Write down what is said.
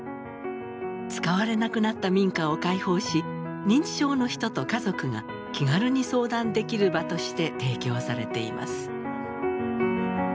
使われなくなった民家を開放し認知症の人と家族が気軽に相談できる場として提供されています。